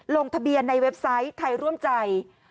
ลงทะเบียนในเว็บไซต์ไทยร่วมใจ